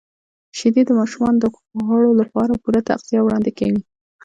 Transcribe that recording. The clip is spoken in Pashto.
•شیدې د ماشومانو د غړو لپاره پوره تغذیه وړاندې کوي.